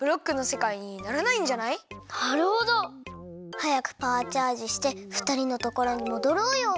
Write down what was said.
はやくパワーチャージしてふたりのところにもどろうよ。